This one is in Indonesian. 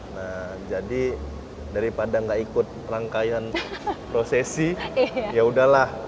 nah jadi daripada gak ikut rangkaian prosesi ya udahlah